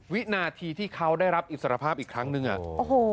วินาทีที่เขาได้รับอิสรภาพอีกครั้งหนึ่งอ่ะโอ้โห